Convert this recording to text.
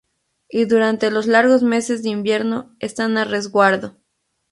Y durante los largos meses de invierno están a resguardo.